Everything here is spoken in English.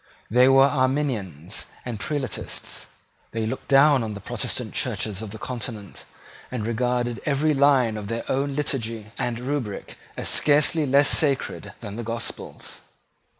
They were Arminians and Prelatists. They looked down on the Protestant Churches of the Continent, and regarded every line of their own liturgy and rubric as scarcely less sacred than the gospels.